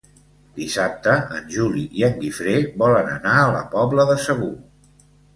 Dissabte en Juli i en Guifré volen anar a la Pobla de Segur.